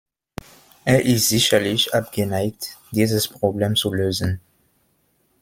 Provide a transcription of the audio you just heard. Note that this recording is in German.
Er ist sicherlich abgeneigt, dieses Problem zu lösen.